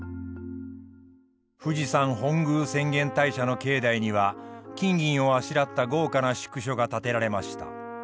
富士山本宮浅間大社の境内には金銀をあしらった豪華な宿所が建てられました。